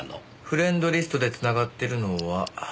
フレンドリストで繋がってるのは。